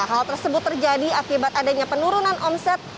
hal tersebut terjadi akibat adanya penurunan omset